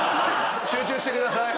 集中してください。